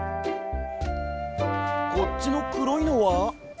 こっちのくろいのは？